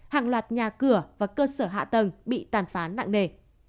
hàng loạt nhà cửa và cơ sở hạ tầng bị tàn phán nặng nề